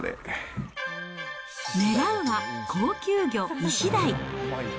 狙うは高級魚、イシダイ。